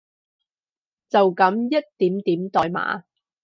就噉一點點代碼